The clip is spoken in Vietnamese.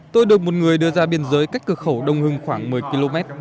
tôi được một người đưa ra biên giới cách cửa khẩu đông hưng khoảng một mươi km